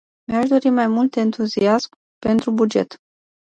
Mi-aș dori mai mult euroentuziasm pentru buget.